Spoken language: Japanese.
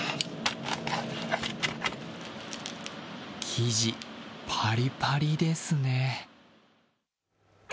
生地、パリパリですね。